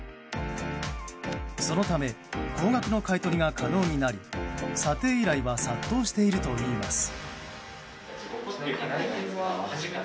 そのため高額の買い取りが可能になり査定依頼は殺到しているといいます。